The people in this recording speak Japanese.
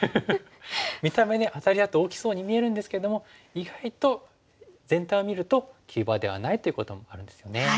見た目ねアタリだと大きそうに見えるんですけども意外と全体を見ると急場ではないということもあるんですよね。